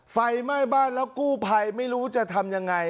ไฟไหม้บ้านแล้วกู้ภัยไม่รู้จะทำยังไง